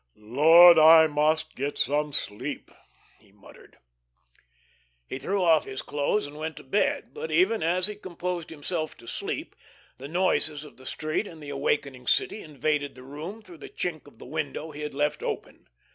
"Lord, I must get some sleep," he muttered. He threw off his clothes and went to bed, but even as he composed himself to sleep, the noises of the street in the awakening city invaded the room through the chink of the window he had left open.